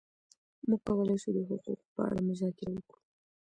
موږ کولای شو د حقوقو په اړه مذاکره وکړو.